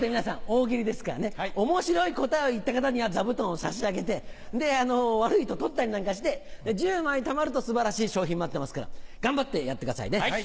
大喜利ですからね面白い答えを言った方には座布団を差し上げて悪いと取ったりなんかして１０枚たまると素晴らしい賞品待ってますから頑張ってやってくださいね。